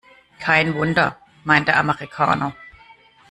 Kein Wunder, meint der Amerikaner.